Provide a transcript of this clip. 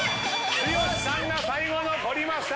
剛さんが最後残りました！